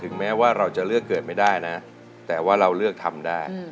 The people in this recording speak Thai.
แม้ว่าเราจะเลือกเกิดไม่ได้นะแต่ว่าเราเลือกทำได้